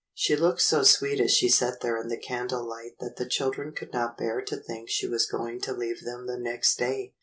She looked so sweet as she sat there in the candle light that the children could not bear to think she was going to leave them the next day.